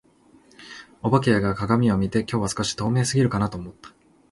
お化けが鏡を見て、「今日は少し透明過ぎるかな」と思った。